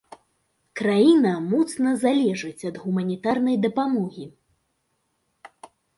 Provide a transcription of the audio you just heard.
Краіна моцна залежыць ад гуманітарнай дапамогі.